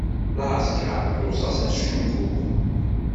Lɛesker yuẓa s acengu.